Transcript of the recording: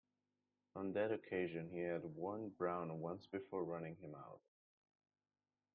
On that occasion he had warned Brown once before running him out.